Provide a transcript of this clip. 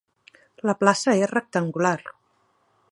La plaça és rectangular.